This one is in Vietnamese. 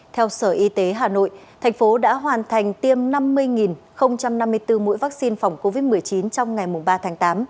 theo sở y tế hà nội thành phố đã hoàn thành tiêm năm mươi năm mươi bốn mũi vaccine phòng covid một mươi chín trong ngày ba tháng tám